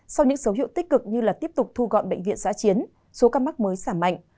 sau những số hiệu tích cực như tiếp tục thu gọn bệnh viện giã chiến số ca mắc mới giảm mạnh